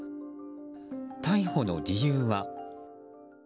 逮捕の理由は。